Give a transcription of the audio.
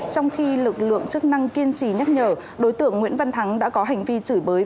trong khi lực lượng chức năng kiên trì nhắc nhở đối tượng nguyễn văn thắng đã có hành vi chửi bới